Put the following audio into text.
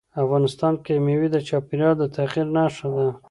افغانستان کې مېوې د چاپېریال د تغیر نښه ده.